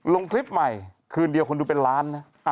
ลงคลิปใหม่คืนเดียวคนดูเป็นล้านนะ